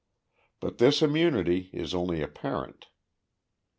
But this immunity is only apparent.